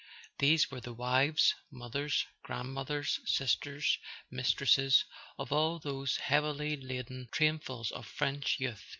These were the wives, mothers, grandmothers, sisters, mistresses of all those heavily laden trainfuls of French youth.